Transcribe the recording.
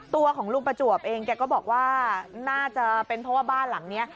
ตัวของลุงประจวบเองแกก็บอกว่าน่าจะเป็นเพราะว่าบ้านหลังนี้